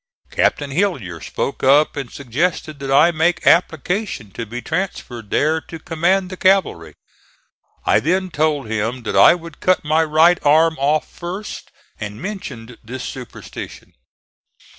Captain Hillyer spoke up and suggested that I make application to be transferred there to command the cavalry. I then told him that I would cut my right arm off first, and mentioned this superstition.